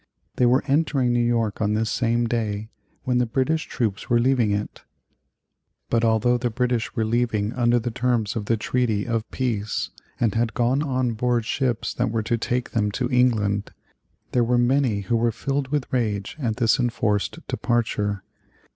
They were entering New York on this same day when the British troops were leaving it. But although the British were leaving under the terms of the treaty of peace, and had gone on board ships that were to take them to England, there were many who were filled with rage at this enforced departure.